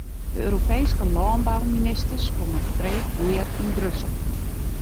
De Europeeske lânbouministers komme freed gear yn Brussel.